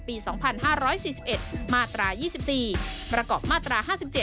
ปี๒๕๔๑มาตรา๒๔ประกอบมาตรา๕๗